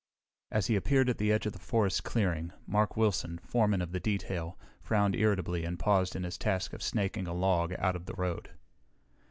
As he appeared at the edge of the forest clearing, Mark Wilson, foreman of the detail, frowned irritably and paused in his task of snaking a log out to the road.